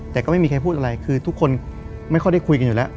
แต่ก็ไม่มีใครพูดอะไรคือทุกคนไม่ค่อยได้คุยกันอยู่แล้ว